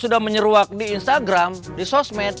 sudah menyeruak di instagram di sosmed